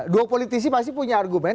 dua politisi masih punya argumen